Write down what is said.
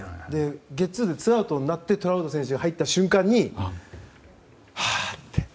ゲッツーでツーアウトになってトラウト選手が入った瞬間にはあって。